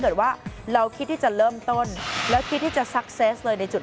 เกิดว่าเราคิดที่จะเริ่มต้นแล้วคิดที่จะซักเซสเลยในจุด